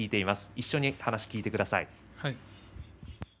一緒に聞いてください。